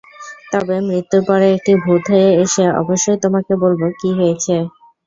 তবে, মৃত্যুর পরে একটি ভূত হয়ে এসে অবশ্যই তোমাকে বলবো কি হয়েছে।